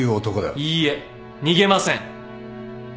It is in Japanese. いいえ逃げません。